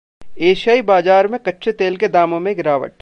एशियाई बाजार में कच्चे तेल के दामों में गिरावट